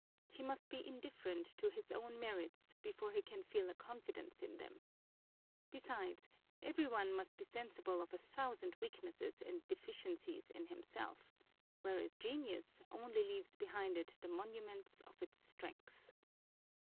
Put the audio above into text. He must be indifferent to his own merits before he can feel a confidence in them. Besides, â– yone must be sensible of a thousand weaknesses and deficiencies in himself ; whereas Genius only leaves behind it the monuments of its strength.